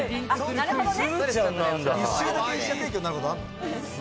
なるほどね。